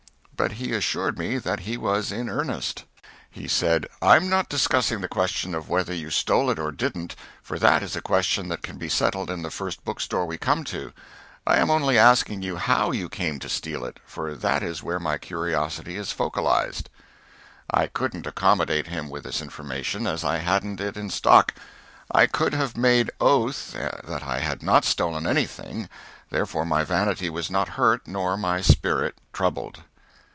But he assured me that he was in earnest. He said: "I'm not discussing the question of whether you stole it or didn't for that is a question that can be settled in the first bookstore we come to I am only asking you how you came to steal it, for that is where my curiosity is focalized." I couldn't accommodate him with this information, as I hadn't it in stock. I could have made oath that I had not stolen anything, therefore my vanity was not hurt nor my spirit troubled.